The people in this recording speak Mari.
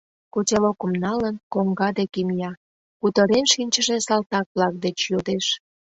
Котелокым налын, коҥга деке мия, кутырен шинчыше салтак-влак деч йодеш: